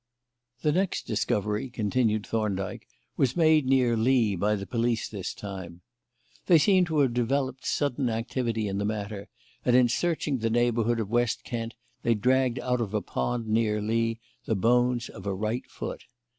"The next discovery," continued Thorndyke, "was made near Lee, by the police this time. They seem to have developed sudden activity in the matter, and in searching the neighbourhood of West Kent they dragged out of a pond near Lee the bones of a right foot.